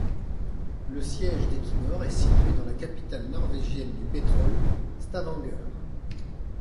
Le siège d'Equinor est situé dans la capitale norvégienne du pétrole, Stavanger.